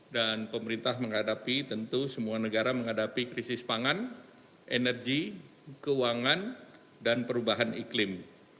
dan pemerintah menghadapi tentu semua negara menghadapi krisis pangan energi keuangan dan perubahan iklim